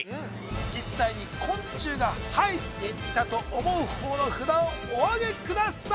実際に昆虫が入っていたと思う方の札をおあげください